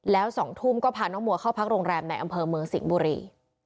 แล้ว๒ทุ่มก็พาน้องมัวเข้าพักโรงแรมในอำเภอเมืองสิงห์บุรี